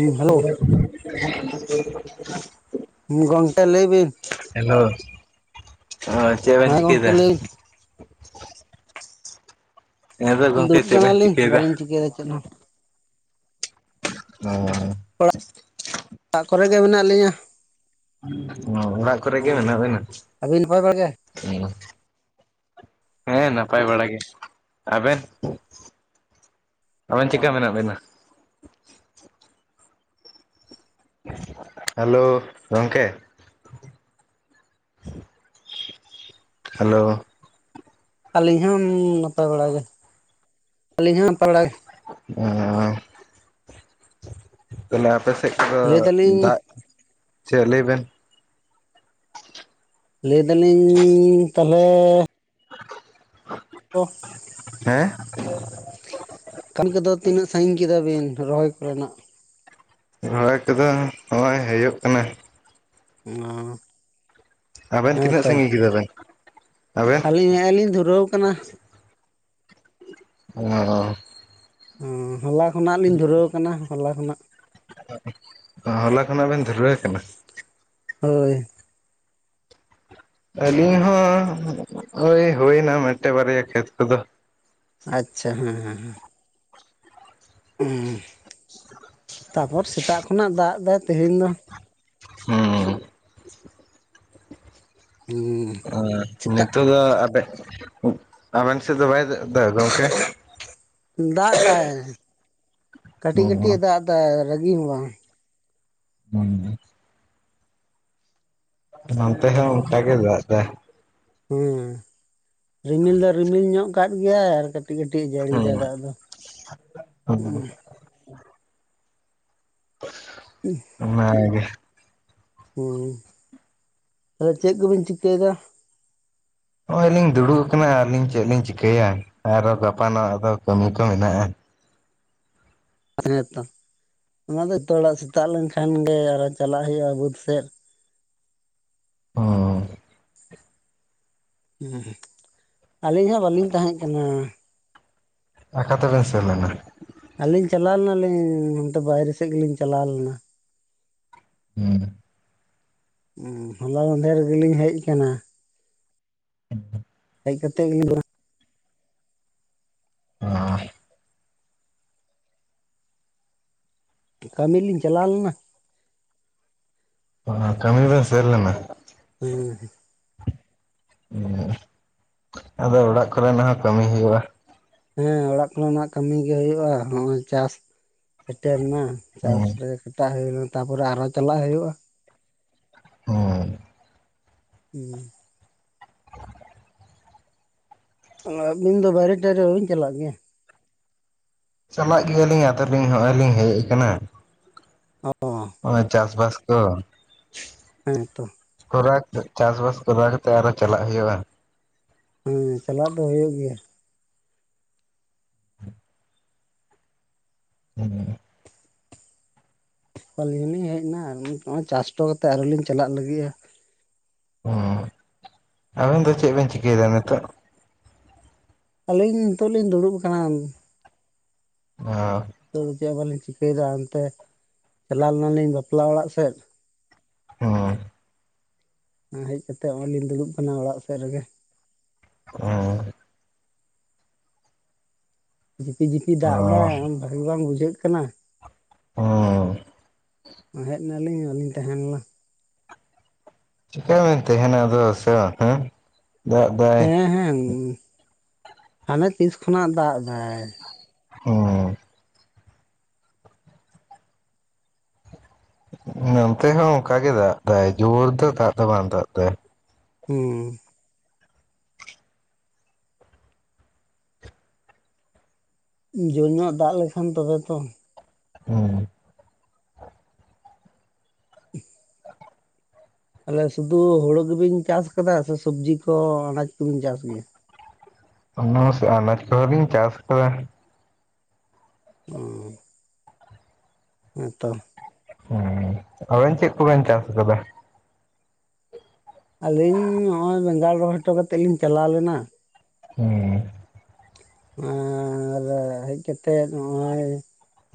ᱦᱮᱸ ᱦᱮᱞᱳ ᱜᱚᱱᱴᱮ ᱞᱟᱹᱭ ᱵᱤᱱ ᱦᱮᱞᱳ ᱱᱚᱜ-ᱚᱭ ᱪᱮᱫ ᱵᱮᱢ ᱦᱮᱸ ᱜᱚᱝᱠᱮ ᱪᱤᱠᱟᱹᱭᱫᱟ ᱞᱟᱹᱭ ᱦᱮᱸ ᱛᱚ ᱜᱚᱝᱠᱮ ᱫᱩᱲᱩᱵ ᱪᱮᱫ ᱵᱮᱱ ᱠᱟᱱᱟᱞᱤᱧ ᱪᱤᱠᱟᱹᱭᱮᱫᱟ? ᱵᱟᱞᱤᱧ ᱪᱤᱠᱟᱹᱭᱟ ᱪᱮᱫ ᱦᱚᱸ [unintelligible] ᱚᱲᱟᱜ ᱠᱚᱨᱮ ᱜᱮ ᱢᱮᱱᱟᱜ ᱞᱤᱧᱟᱹ ᱚᱻ ᱚᱲᱟᱜ ᱠᱚ ᱨᱮ ᱦᱮᱸ ᱜᱮ ᱢᱮᱱᱟᱜ ᱵᱮᱱᱟ ᱟᱹᱵᱤᱱ ᱱᱟᱯᱟᱭ ᱵᱟᱲᱟ ᱜᱮ ᱦᱮᱸ ᱱᱟᱯᱟᱭ ᱵᱟᱲᱟ ᱜᱮ ᱟᱵᱮᱱ ᱟᱵᱮᱱ ᱪᱮᱠᱟ ᱢᱮᱱᱟᱜ ᱵᱮᱱᱟ ᱦᱮᱞᱳ ᱜᱚᱝᱠᱮ ᱦᱮᱞᱳ ᱟᱹᱞᱤᱧ ᱦᱚᱸᱻ ᱱᱟᱯᱟᱭ ᱵᱟᱲᱟ ᱜᱮ ᱟᱹᱞᱤᱧ ᱦᱚᱸ ᱱᱟᱯᱟᱭ ᱵᱟᱲᱟ ᱜᱮ [unintelligible] ᱛᱟᱞᱦᱮ ᱟᱯᱮ ᱥᱮᱫ ᱠᱚ ᱞᱟᱹᱭ ᱫᱟᱞᱤᱧ ᱫᱟᱜ ᱪᱮᱫ ᱞᱟᱹᱭ ᱵᱮᱱ ᱞᱟᱹᱭ ᱫᱟᱞᱤᱧ ᱛᱟᱞᱦᱮ [inaudible] [unintelligible] ᱦᱮᱸ ᱠᱟᱹᱢᱤ ᱠᱚ ᱫᱚ ᱛᱤᱱᱟᱹᱜ ᱥᱟᱹᱜᱤᱧ ᱠᱮᱫᱟ ᱵᱤᱱ ᱨᱚᱦᱚᱭ ᱠᱚᱨᱮ ᱱᱟᱜ ᱨᱚᱦᱚᱭ ᱠᱚ ᱫᱚ ᱦᱳᱭ ᱦᱩᱭᱩᱜ ᱠᱟᱱᱟ ᱚ ᱟᱵᱮᱱ ᱦᱮᱸ ᱛᱤᱱᱟᱹᱜ ᱛᱚ ᱥᱟᱺᱜᱤᱧ ᱠᱮᱫᱟ ᱵᱮᱱ ᱟᱵᱮᱱ ᱟᱹᱞᱤᱧ ᱱᱮᱜ-ᱮ ᱞᱤᱧ ᱫᱷᱩᱨᱟᱹᱣ ᱠᱟᱱᱟ ᱚ [unintelligible] ᱦᱚᱞᱟ ᱠᱷᱚᱱᱟᱜ ᱞᱤᱧ ᱫᱷᱩᱨᱟᱹᱣ ᱟᱠᱟᱱᱟ ᱦᱚᱞᱟ ᱠᱷᱚᱱᱟᱜ ᱦᱚᱞᱟ ᱠᱷᱚᱱᱟᱜ ᱵᱮᱱ ᱫᱷᱩᱨᱣ ᱠᱟᱱᱟ ᱦᱳᱭ ᱟᱹᱞᱤᱧ ᱦᱚᱸ ᱳᱭ ᱦᱩᱭᱱᱟ ᱢᱮᱫᱴᱮᱡ ᱵᱟᱨᱭᱟ ᱠᱷᱮᱛ ᱠᱚ ᱫᱚ ᱟᱪᱪᱷᱟ ᱦᱮᱸ ᱦᱮᱸ ᱦᱮᱸ ᱚᱸᱻ, ᱛᱟᱯᱚᱨ ᱥᱮᱛᱟᱜ ᱠᱷᱚᱱᱟᱜ ᱫᱟᱜ ᱫᱟᱭ ᱛᱮᱦᱮᱧ ᱫᱚ ᱦᱩᱸ ᱦᱩᱸᱻ ᱚ ᱱᱤᱛᱚᱜ ᱫᱚ ᱟᱵᱮᱜ ᱟᱵᱮᱱ ᱥᱮᱫ ᱫᱚ ᱵᱟᱭ ᱫᱟᱜ ᱮᱫᱟ ᱜᱚᱝᱠᱮ ᱫᱟᱜ ᱫᱟᱭ ᱠᱟᱹᱴᱤᱡ ᱠᱟᱹᱴᱤᱡ ᱦᱩᱸ ᱮ ᱫᱟᱜ ᱮᱫᱟ ᱨᱟᱹᱜᱤ ᱦᱚᱸ ᱵᱟᱝ ᱦᱩᱸ ᱱᱚᱱᱛᱮ ᱦᱚᱸ ᱦᱩᱸ ᱚᱝᱠᱟ ᱜᱮ ᱫᱟᱜ ᱫᱟᱭ ᱦᱩᱸ, ᱨᱤᱢᱤᱞ ᱫᱚ ᱨᱤᱢᱤᱞ ᱧᱚᱜ ᱠᱟᱫ ᱜᱮᱭᱟᱭ ᱟᱨ ᱠᱟ ᱠᱟᱹᱴᱤᱡ ᱠᱟᱹᱴᱤᱡ ᱡᱟᱹᱲᱤᱭᱮᱫᱟ ᱦᱩᱸ ᱫᱟᱜ ᱫᱚ ᱩᱸ [inaudible] [unintelligible] ᱚᱱᱟᱜᱮ ᱦᱩᱸ ᱟᱫᱚ ᱪᱮᱫ ᱠᱚ ᱵᱤᱱ ᱪᱤᱠᱟᱹᱭ ᱫᱟ ᱱᱚᱜᱼᱚᱭ ᱞᱤᱧ ᱫᱩᱲᱩᱵ ᱟᱠᱟᱱᱟ ᱟᱨ ᱞᱤᱧ ᱪᱮᱫ ᱞᱤᱧ ᱪᱤᱠᱟᱹᱭᱟ ᱟᱨᱚ ᱜᱟᱯᱟᱱᱚᱜ ᱟᱫᱚ ᱠᱟᱹᱢᱤ ᱠᱚ ᱢᱮᱱᱟᱜᱼᱟ ᱦᱮᱸᱛᱚ ᱚᱱᱟ ᱜᱮᱛᱚ ᱦᱚᱲᱟᱜ ᱥᱮᱛᱟᱜ ᱞᱮᱱᱠᱷᱟᱱ ᱜᱮ ᱟᱨᱚ ᱪᱟᱞᱟᱜ ᱦᱩᱭᱩᱜ-ᱟ ᱵᱟᱹᱫᱽ ᱥᱮᱫ [unintelligible] ᱮᱸᱦᱮᱸ ᱟᱹᱞᱤᱧ ᱦᱟᱸ ᱵᱟᱹᱞᱤᱧ ᱛᱟᱦᱮᱸ ᱠᱟᱱᱟ᱾ ᱟᱠᱟᱛᱮ ᱵᱮᱱ ᱥᱮᱱ ᱞᱮᱱᱟ ᱟᱹᱞᱤᱧ ᱪᱟᱞᱟᱣ ᱞᱮᱱᱟᱞᱤᱧ ᱱᱚᱱᱛᱮ ᱵᱟᱭᱨᱮ ᱥᱮᱫ ᱜᱮᱞᱤᱧ ᱪᱟᱞᱟᱣ ᱞᱮᱱᱟ ᱦᱩᱸ ᱦᱚᱞᱟ ᱢᱟᱱᱫᱷᱮᱨ ᱨᱮᱜᱮᱞᱤᱧ ᱦᱮᱡ ᱟᱠᱟᱱᱟ [inaudible] ᱦᱮᱡ ᱠᱟᱛᱮᱫ ᱜᱮ ᱞᱤᱱ ᱨᱩᱣᱟᱹᱲᱼᱟ [inaudible] ᱠᱟᱹᱢᱤ ᱞᱤᱧ ᱪᱟᱞᱟᱣ ᱞᱮᱱᱟ ᱚᱱᱟ ᱠᱟᱹᱢᱤ ᱨᱮ ᱥᱮᱱ ᱞᱮᱱᱟ᱾ ᱦᱩᱸ ᱦᱮ᱾ [inaudible] ᱟᱫᱚ ᱚᱲᱟᱜ ᱠᱚᱨᱮᱱᱟᱜ ᱦᱚᱸ ᱠᱟᱹᱢᱤ ᱦᱩᱭᱩᱜᱼᱟ᱾ ᱦᱮᱸ ᱚᱲᱟᱜ ᱠᱚᱨᱮᱱᱟᱜ ᱠᱟᱹᱢᱤᱭ ᱜᱮ ᱦᱩᱭᱩᱜᱼᱟ ᱱᱚᱜᱼᱚᱭ ᱪᱟᱥ ᱥᱮᱴᱮᱨ ᱮᱱᱟ ᱪᱟᱥ ᱦᱩᱸ ᱨᱮ ᱥᱮᱛᱟᱜ ᱦᱩᱭᱱᱟ ᱛᱟᱯᱚᱨᱮ ᱟᱨᱦᱚᱸ ᱪᱟᱞᱟᱜ ᱦᱩᱭᱩᱜᱼᱟ᱾ ᱦᱮᱸ᱾ ᱩᱸ᱾ ᱚ ᱟᱹᱵᱤᱱ ᱫᱚ ᱵᱟᱹᱭᱨᱮᱼᱴᱟᱹᱭᱨᱮ ᱵᱟᱹᱵᱤᱱ ᱪᱟᱞᱟᱜ ᱜᱮᱭᱟ? ᱪᱟᱞᱟᱜ ᱜᱮᱭᱟᱞᱤᱧ ᱟᱫᱚ ᱞᱤᱧ ᱦᱚᱜᱼᱚᱭ ᱞᱤᱧ ᱦᱮᱡ ᱟᱠᱟᱱᱟ᱾ ᱚ ᱚᱸ ᱪᱟᱥ ᱵᱟᱥ ᱠᱚ ᱦᱟᱹᱱ ᱛᱚ᱾ ᱠᱚᱨᱟ ᱠᱟᱛᱮ ᱪᱟᱥᱼᱵᱟᱥ ᱠᱚᱨᱟᱣ ᱠᱟᱛᱮᱜ ᱟᱨᱚ ᱪᱟᱞᱟᱜ ᱦᱩᱭᱩᱜᱼᱟ᱾ ᱦᱩᱸ, ᱪᱟᱞᱟᱜ ᱫᱚ ᱦᱳᱭᱳᱜ ᱜᱮᱭᱟ᱾ [inaudible] ᱟᱹᱞᱤᱧ ᱞᱤᱧ ᱦᱮᱡ ᱮᱱᱟ ᱱᱤᱛ ᱱᱚᱜᱼᱚᱭ ᱟᱥᱴᱚ ᱠᱟᱛᱮᱫ ᱟᱨᱦᱚᱸ ᱞᱤᱧ ᱪᱟᱞᱟᱜ ᱞᱤᱜᱤ ᱟ᱾ ᱚ, ᱟᱵᱮᱱ ᱫᱚ ᱪᱮᱫ ᱵᱮᱱ ᱪᱤᱠᱟᱹᱭ ᱫᱟ ᱱᱮᱛᱚᱜ? ᱟᱹᱞᱤᱧ ᱱᱤᱛᱚᱜ ᱞᱤᱧ ᱫᱩᱲᱩᱵ ᱟᱠᱟᱱᱟ᱾ ᱚ᱾ ᱱᱤᱛᱚᱜ ᱫᱚ ᱪᱮᱜ ᱦᱚᱸ ᱵᱟᱹᱞᱤᱧ ᱪᱤᱠᱟᱹᱭ ᱫᱟ ᱚᱱᱛᱮ ᱪᱟᱞᱟᱣ ᱞᱮᱱᱟᱞᱤᱧ ᱵᱟᱯᱞᱟ ᱚᱲᱟᱜ ᱥᱮᱫ᱾ ᱦᱚᱭ᱾ ᱦᱮᱡ ᱠᱟᱛᱮᱜ ᱚᱼᱚᱭ ᱞᱤᱧ ᱫᱩᱲᱩᱵ ᱟᱠᱟᱱᱟ ᱚᱲᱟᱜ ᱥᱮᱜ ᱨᱮᱜᱮ᱾ [inaudible] ᱡᱷᱤᱯᱤᱼᱡᱤᱯᱤ ᱫᱟᱜ ᱚ ᱮᱫᱟᱭ ᱚᱸ ᱵᱷᱟᱜᱤ ᱵᱟᱝ ᱵᱩᱡᱷᱟᱹᱜ ᱠᱟᱱᱟ᱾ ᱚᱸᱻ᱾ ᱦᱮᱡ ᱮᱱᱟᱞᱤᱧ ᱵᱟᱹᱞᱤᱧ ᱛᱟᱦᱮᱸ ᱞᱮᱱᱟ᱾ ᱪᱤᱠᱟᱹ ᱵᱤᱱ ᱛᱟᱦᱮᱱᱟ ᱟᱫᱚ ᱦᱮᱸᱥᱮ ᱵᱟ ᱮᱸ᱾ ᱫᱟᱜ ᱫᱟ ᱦᱮᱸ, ᱦᱮᱸ, ᱦᱟᱱᱮ ᱛᱤᱥ ᱠᱷᱚᱱᱟᱜ ᱫᱟᱜ ᱮᱫᱟᱭ᱾ ᱦᱚᱸ᱾ ᱱᱚᱱᱛᱮ ᱦᱚᱸ ᱚᱱᱠᱟᱜ ᱜᱮ ᱫᱟᱜ ᱫᱟᱭ ᱡᱳᱨ ᱫᱚ ᱫᱟᱜ ᱫᱚ ᱵᱟᱝ ᱫᱟᱜ ᱫᱟᱭ᱾ ᱦᱩᱸ᱾ ᱡᱳᱨᱧᱚᱜ ᱫᱟᱜ ᱞᱮᱠᱷᱟᱱ ᱛᱚᱵᱮ ᱛᱚ᱾ ᱦᱩᱸ᱾ [inaudible] ᱛᱟᱦᱚᱞᱮ ᱥᱩᱫᱷᱩ ᱦᱩᱲᱩ ᱜᱮᱵᱤᱱ ᱪᱟᱥ ᱟᱠᱟᱫᱟ ᱥᱮ ᱥᱚᱵᱽᱡᱤ ᱠᱚ ᱟᱱᱟᱡ ᱠᱚᱵᱤᱱ ᱪᱟᱥ ᱜᱮᱭᱟ ᱚᱱᱟ ᱟᱱᱟᱡᱽ ᱠᱚᱦᱚ ᱞᱤᱧ ᱪᱟᱥ ᱟᱠᱟᱫᱟ ᱦᱩᱸ ᱦᱮᱸᱛᱚ ᱦᱩᱸ ᱟᱵᱮᱱ ᱪᱮᱫ ᱠᱚ ᱵᱤᱱ ᱪᱟᱥ ᱠᱟᱫᱟ ᱟᱹᱞᱤᱧ ᱱᱚᱜᱼᱚᱭ ᱵᱮᱜᱟᱲ ᱨᱚᱦᱚᱭ ᱦᱚᱴᱚ ᱠᱟᱛᱮᱫ ᱞᱤᱧ ᱪᱟᱞᱟᱣ ᱞᱮᱱᱟ ᱦᱩᱸ ᱟᱨ ᱦᱮᱡ ᱠᱟᱛᱮᱫ ᱱᱚᱜᱼᱚᱭ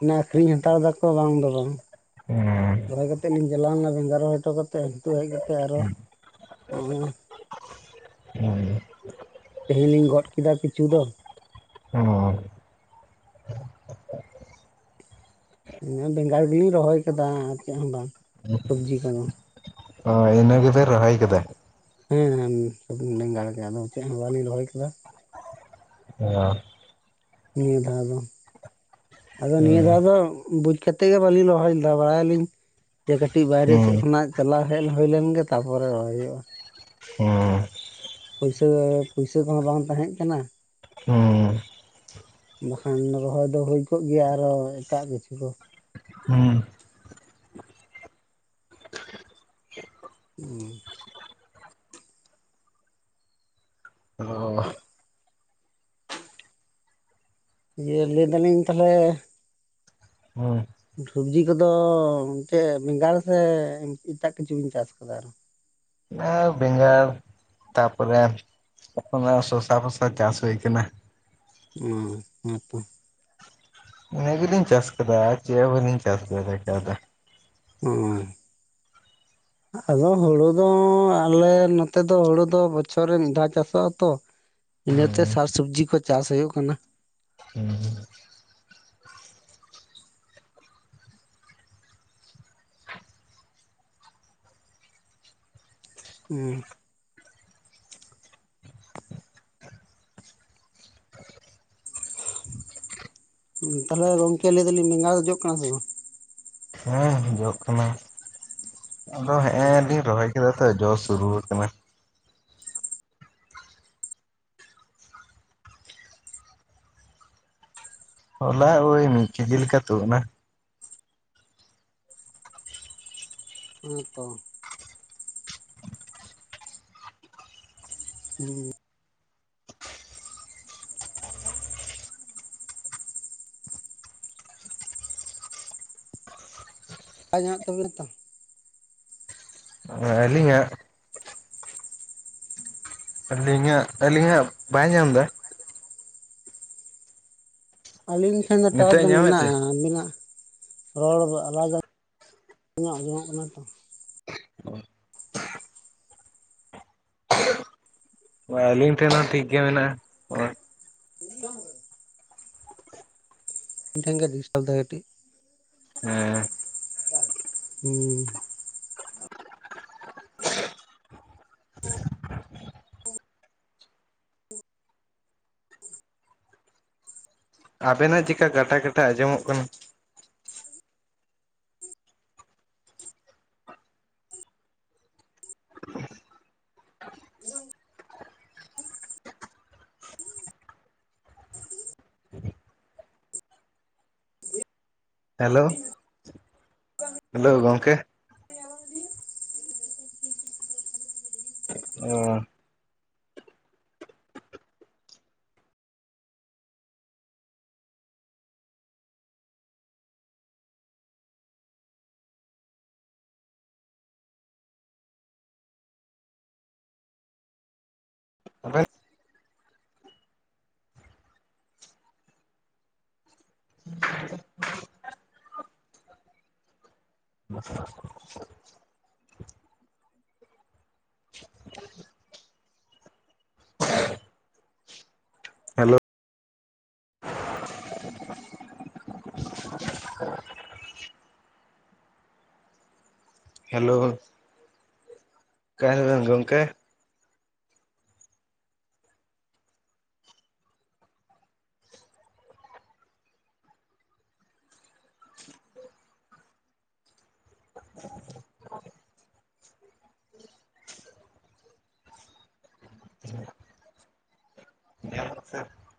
ᱚᱱᱟ ᱟᱹᱠᱷᱨᱤᱧ ᱦᱟᱛᱟᱣ ᱫᱟᱠᱚ ᱵᱟᱝ ᱫᱚ ᱵᱟᱝ᱾ ᱦᱩᱸ ᱨᱚᱦᱚᱭ ᱠᱟᱛᱮᱫ ᱞᱤᱧ ᱪᱟᱞᱟᱣ ᱞᱮᱱᱟ ᱵᱮᱸᱜᱟᱲ ᱨᱚᱦᱚᱭ ᱦᱚᱴᱚ ᱠᱟ ᱛᱚ ᱱᱤᱛᱳᱜ ᱦᱮᱡ ᱠᱟᱛᱮ ᱟᱨᱚ ᱚᱸᱭ ᱩᱸ᱾ ᱛᱮᱦᱮᱧ ᱞᱤᱧ ᱜᱚᱫ ᱠᱮᱫᱟ ᱠᱤᱪᱷᱩ ᱫᱚ᱾ ᱦᱩᱸ ᱱᱚ ᱵᱮᱸᱜᱟᱲ ᱜᱮᱞᱤᱧ ᱨᱚᱦᱚᱭ ᱠᱟᱫᱟ ᱟᱨ ᱪᱮᱫ ᱦᱚᱸ ᱵᱟᱝ ᱥᱚᱵᱡᱤ ᱠᱚᱫᱚ᱾ ᱦᱳᱭ, ᱤᱱᱟᱹ ᱜᱮᱵᱮᱱ ᱨᱚᱦᱚᱭ ᱠᱟᱫᱟ᱾ ᱦᱮᱸᱱ ᱥᱩᱫᱩ ᱵᱮᱸᱜᱟᱲ ᱜᱮ ᱟᱫᱚ ᱪᱮᱫ ᱦᱚᱸ ᱵᱟᱹᱞᱤᱧ ᱨᱚᱦᱚᱭ ᱠᱟᱫᱟ᱾ ᱚ᱾ ᱱᱤᱭᱟᱹ ᱫᱷᱟᱣ ᱫᱚ ᱟᱫᱚ ᱱᱤᱭᱟᱹ ᱦᱩᱸ ᱫᱷᱟᱣ ᱫᱚ ᱵᱩᱡ ᱠᱟᱛᱮᱫ ᱜᱮ ᱵᱟᱹᱞᱤᱧ ᱨᱚᱦᱚᱭ ᱞᱮᱫᱟ ᱵᱟᱲᱟᱭᱟᱞᱤᱧ ᱡᱮ ᱠᱟᱹᱴᱤᱡ ᱵᱟᱭᱨᱮ ᱦᱩᱸ ᱥᱮᱫ ᱠᱷᱚᱱᱟᱜ ᱪᱟᱞᱟᱣ ᱦᱮᱡ ᱦᱩᱭ ᱞᱮᱱ ᱜᱮ ᱛᱟᱯᱚᱨᱮ ᱨᱚᱦᱚᱭ ᱦᱩᱭᱩᱜᱼᱟ ᱦᱩᱸ ᱯᱩᱭᱥᱟᱹ ᱯᱩᱭᱥᱟᱹ ᱠᱚ ᱦᱚᱸ ᱵᱟᱝ ᱛᱟᱦᱮᱸ ᱠᱟᱱᱟ ᱦᱩᱸ ᱵᱟᱠᱷᱟᱱ ᱨᱚᱦᱚᱭ ᱫᱚ ᱦᱩᱭ ᱠᱚᱜ ᱜᱮᱭᱟ ᱟᱨᱚ ᱮᱴᱟᱜ ᱠᱤᱪᱷᱩ ᱠᱚ ᱦᱩᱸ ᱦᱩᱸ ᱚ ᱤᱭᱟᱹ ᱞᱟᱹᱭ ᱫᱟᱞᱤᱧ ᱛᱟᱞᱦᱮ ᱦᱳᱭ ᱥᱚᱵᱽᱡᱤ ᱠᱚ ᱫᱚ ᱢᱤᱫᱴᱮᱱ ᱵᱮᱸᱜᱟᱲ ᱥᱮ ᱮᱴᱟᱜ ᱠᱤᱪᱷᱩ ᱵᱮᱱ ᱪᱟᱥ ᱠᱟᱫᱟ ᱟᱨᱚ ᱟᱨ ᱵᱮᱸᱜᱟᱲ ᱛᱟᱨᱯᱚᱨᱮ ᱚᱱᱟ ᱥᱚᱥᱟ-ᱯᱷᱚᱥᱟ ᱪᱟᱥ ᱦᱩᱭ ᱠᱟᱱᱟ ᱦᱩᱸ ᱦᱩᱸ ᱤᱱᱟᱹ ᱜᱮ ᱞᱤᱧ ᱪᱟᱥ ᱟᱠᱟᱫᱟ ᱟᱨ ᱪᱮᱫ ᱦᱚᱸ ᱵᱟᱹᱞᱤᱧ ᱪᱟᱥ ᱫᱟᱲᱮ ᱠᱟᱣᱫᱟ ᱩ ᱦᱩᱸ ᱟᱫᱚ ᱦᱩᱲᱩ ᱫᱚ ᱟᱞᱮ ᱱᱚᱛᱮ ᱫᱚ ᱦᱩᱲᱩ ᱫᱚ ᱵᱚᱪᱷᱚᱨ ᱨᱮ ᱢᱤᱫ ᱫᱷᱟᱣ ᱪᱟᱥᱚᱜ-ᱟ ᱛᱚ ᱤᱱᱟᱹᱛᱮ ᱥᱟᱠ ᱦᱩᱸ ᱥᱚᱵᱽᱡᱤ ᱠᱚ ᱪᱟᱥ‌ ᱦᱩᱭᱩᱜ ᱠᱟᱱᱟ ᱦᱩᱸ ᱦᱩᱸ ᱦᱩᱸ ᱛᱟᱞᱦᱮ ᱜᱚᱝᱠᱮ ᱞᱟᱹᱭ ᱫᱟᱞᱤᱧ ᱵᱮᱸᱜᱟᱲ ᱫᱚ ᱡᱚᱜ ᱠᱟᱱᱟ ᱥᱮ ᱵᱟᱝ ᱦᱮᱸ ᱡᱚᱜ ᱠᱟᱱᱟ ᱦᱮᱸ ᱪᱮᱫᱟᱜ ᱥᱮ ᱡᱚᱥ ᱥᱩᱨᱩᱣᱟᱠᱟᱱᱟ ᱦᱚᱞᱟ ᱳᱭ ᱢᱤᱫ ᱠᱮᱡᱤ ᱞᱮᱠᱟ ᱛᱩᱫ ᱮᱱᱟ ᱦᱮᱸᱛᱚ ᱦᱩᱸ ᱟᱡ ᱧᱟᱢᱟᱜ ᱛᱟᱵᱤᱱ ᱛᱚ ᱟᱹᱞᱤᱧᱟᱜ ᱟᱹᱞᱤᱧᱟᱜ ᱟᱹᱞᱤᱧᱟᱜ ᱵᱟᱭ ᱧᱟᱢ ᱮᱫᱟ ᱟᱹᱞᱤᱧ ᱴᱷᱮᱱ ᱫᱚ ᱴᱟᱣᱟᱨ ᱱᱤᱛᱚᱜ ᱮ ᱫᱚ ᱧᱟᱢᱮᱫ ᱛᱮ ᱢᱮᱱᱟᱜᱼᱟ ᱟᱹᱵᱤᱱᱟᱜ ᱨᱚᱲ ᱫᱚ ᱟᱞᱟᱫᱟ ᱟᱞᱤᱧᱟᱜ ᱟᱸᱡᱚᱢᱚᱜ ᱠᱟᱱᱟ ᱛᱚ ᱵᱟ, ᱟᱹᱞᱤᱧ ᱴᱷᱮᱱ ᱦᱚᱸ ᱴᱷᱤᱠ ᱜᱮ ᱢᱮᱱᱟᱜ-ᱟ ᱦᱚᱸᱜ-ᱚᱭ ᱤᱧ ᱴᱷᱮᱱ ᱜᱮ ᱰᱤᱥᱴᱟᱵᱮᱫᱟᱭ ᱠᱟᱹᱴᱤᱡ ᱦᱮᱸ ᱦᱩᱸ ᱟᱵᱮᱱᱟᱜ ᱪᱮᱠᱟ ᱠᱟᱴᱟ ᱠᱟᱴᱟ ᱟᱸᱡᱚᱢᱚᱜ ᱠᱟᱱᱟ ᱦᱮᱞᱳ ᱦᱮᱞᱳ ᱜᱚᱝᱠᱮ ᱚ [inaudible] ᱦᱮᱞᱳ ᱦᱮᱞᱳ ᱡᱚᱦᱟᱸᱨ ᱜᱮ ᱜᱚᱢᱠᱮ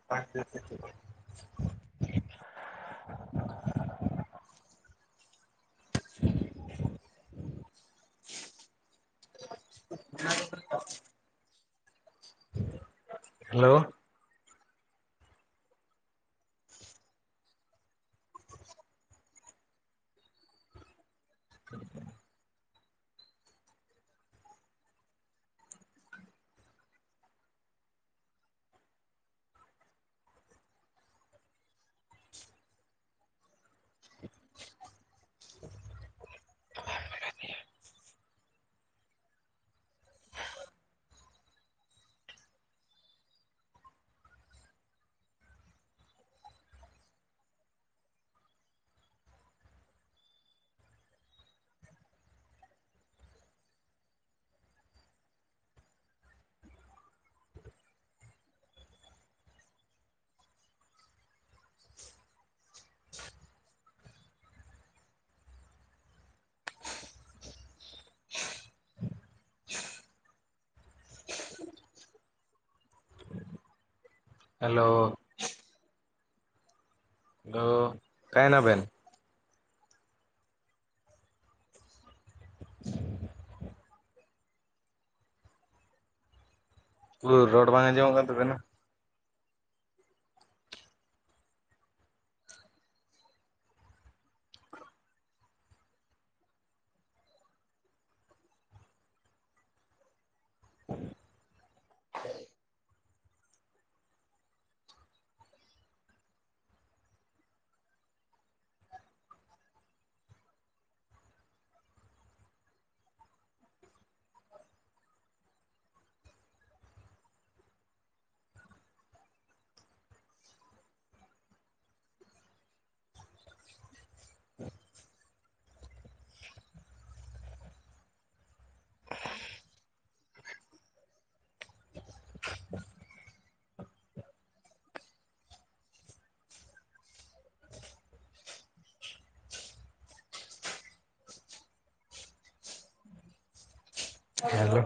[inaudible] ᱦᱮᱞᱳ ᱦᱮᱞᱳ ᱦᱮᱞᱳ ᱚᱠᱟᱭ ᱱᱟᱵᱮᱱ ᱨᱚᱲ ᱵᱟᱝ ᱟᱸᱡᱚᱢᱚᱜ ᱠᱟᱱ ᱛᱟᱵᱮᱱᱟ ᱦᱮᱞᱳ